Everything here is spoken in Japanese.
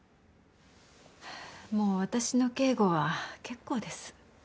もう私の警護は結構です。